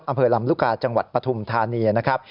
อำเภอลำลูกกาจังหวัดปฐุมธานีนะครับ